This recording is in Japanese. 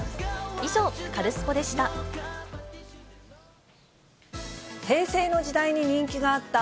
以上、カルスポっ！でした。